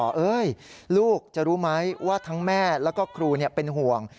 ลูกจะรู้ไหมว่าทั้งแม่แล้วก็ครูเป็นห่วง